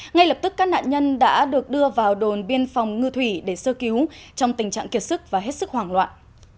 ngay lập tức các nạn nhân đã được đưa vào đồn biên phòng ngư thủy để sơ cứu trong tình trạng kiệt sức và hết sức hoảng loạn